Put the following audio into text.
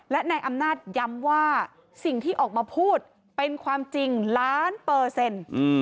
และนายอำนาจย้ำว่าสิ่งที่ออกมาพูดเป็นความจริงล้านเปอร์เซ็นต์